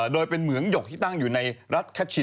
โดยเป็นเหมืองหยกที่ตั้งอยู่ในรัฐคัชชิ